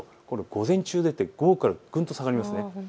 午前中出て午後からぐんと下がります。